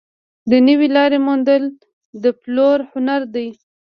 د نوې لارې موندل د پلور هنر دی.